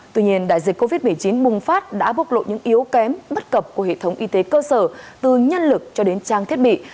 tuy nhiên đại dịch covid một mươi chín bùng phát đã bộc lộ những yếu kém bất cập của hệ thống y tế cơ sở từ nhân lực cho đến trang thiết bị